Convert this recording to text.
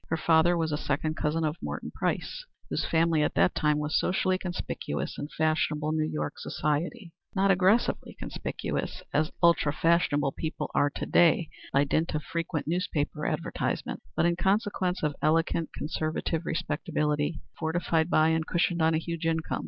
Her father was a second cousin of Morton Price, whose family at that time was socially conspicuous in fashionable New York society. Not aggressively conspicuous, as ultra fashionable people are to day, by dint of frequent newspaper advertisement, but in consequence of elegant, conservative respectability, fortified by and cushioned on a huge income.